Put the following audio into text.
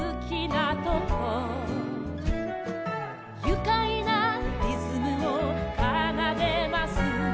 「ゆかいなリズムをかなでます」